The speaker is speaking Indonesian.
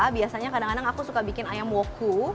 biasanya kadang kadang aku suka bikin ayam woku